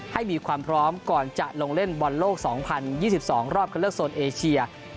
ให้มีความพร้อมก่อนจะลงเล่นบอลโลก๒๐๒๒รอบคันเลือกโซนเอเชีย